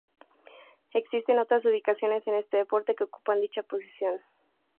Existen otras ubicaciones en este deporte que ocupan dicha posición.